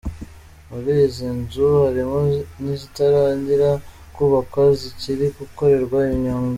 Muri izi nzu harimo izitaratangira kubakwa zikiri gukorerwa inyigo.